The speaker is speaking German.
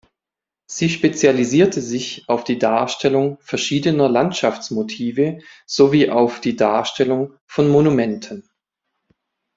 Sie spezialisierte sich auf die Darstellung verschiedener Landschaftsmotive sowie auf die Darstellung von Monumenten.